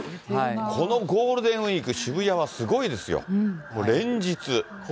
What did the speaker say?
このゴールデンウィーク、渋谷はすごいですよ、もう連日。